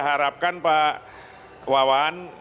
harapkan pak wawan